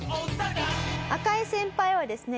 赤井先輩はですね